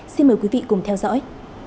xin mời quý vị cùng theo dõi